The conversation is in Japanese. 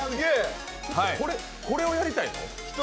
これをやりたいの？